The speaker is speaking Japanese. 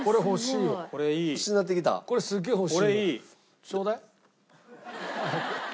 これすげえ欲しいよ。